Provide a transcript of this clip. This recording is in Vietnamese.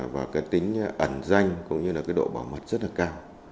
và cần tính ẩn danh cũng như độ bảo mật cao